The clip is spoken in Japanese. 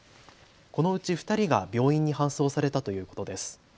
このうち２人が病院に搬送されたということです。